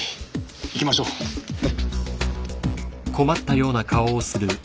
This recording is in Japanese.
行きましょう。ね。